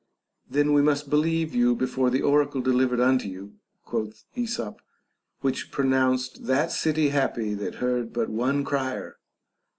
Then we must be lieve you before the oracle delivered unto you, quoth Esop, which pronounced that city happy that heard but one crier.